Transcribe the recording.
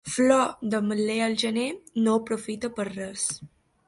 Flor d'ametller al gener, no aprofita per res.